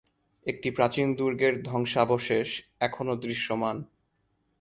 একটি প্রাচীন দুর্গের ধ্বংসাবশেষ এখনও দৃশ্যমান।